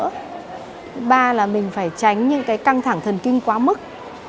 thứ ba là mình phải tránh những cái căng thẳng thần kinh quá mức